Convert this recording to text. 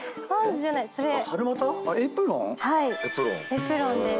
エプロンです。